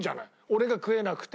俺が食えなくて。